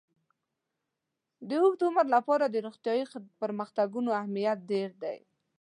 د اوږد عمر لپاره د روغتیايي پرمختګونو اهمیت ډېر دی.